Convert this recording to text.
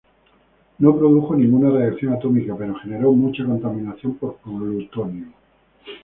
No produjo ninguna reacción atómica, pero generó mucha contaminación por plutonio.